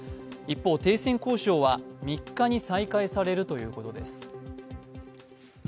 一方、停戦交渉は３日に再開されるということです。